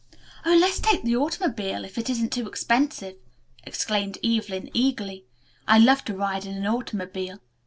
"Oh, let's take the automobile, if it isn't too expensive!" exclaimed Evelyn eagerly. "I love to ride in an automobile.